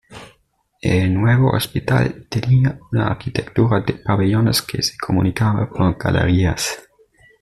El nuevo hospital tenía una arquitectura de pabellones que se comunicaba por galerías.